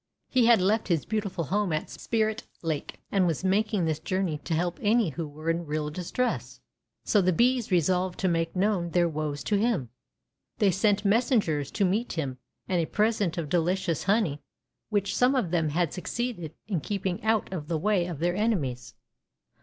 He had left his beautiful home at Spirit Lake and was making this journey to help any who were in real distress. So the bees resolved to make known their woes to him. They sent messengers to meet him and a present of delicious honey which some of them had succeeded in keeping out of the w^y of their enemies.